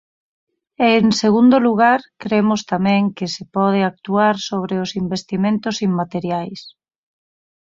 E, en segundo lugar, cremos tamén que se pode actuar sobre os investimentos inmateriais.